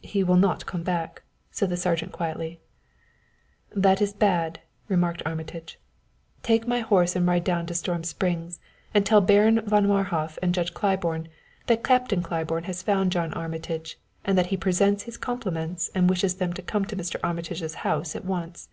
"He will not come back," said the sergeant quietly. "That is bad," remarked Armitage. "Take my horse and ride down to Storm Springs and tell Baron von Marhof and Judge Claiborne that Captain Claiborne has found John Armitage, and that he presents his compliments and wishes them to come to Mr. Armitage's house at once.